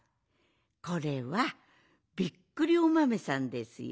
これはびっくりおまめさんですよ。